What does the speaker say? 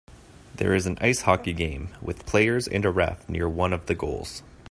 There is an ice hockey game, with players and a ref near one of the goals.